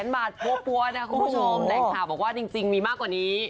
๒๐๐๐บาทปวดนะครับคุณผู้ชมแหลกถ่าบอกว่าจริงมีมากกว่านี้